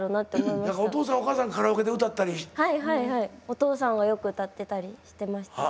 お父さんがよく歌ってたりしてました。